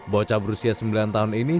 bocah berusia sembilan tahun ini